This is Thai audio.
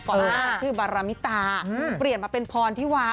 หน้าชื่อบารมิตาเปลี่ยนมาเป็นพรที่วา